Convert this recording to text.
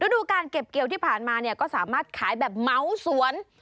ดูการเก็บเกี่ยวที่ผ่านมาเนี่ยก็สามารถขายแบบเมาสวน